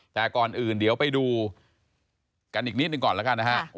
แต่ก่อนอื่นเดี๋ยวไปดูกันอีกนิดหนึ่งก่อนแล้วกันนะฮะ